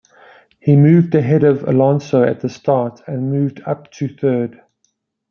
He moved ahead of Alonso at the start, and moved up to third.